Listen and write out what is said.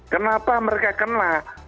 kenapa mereka kena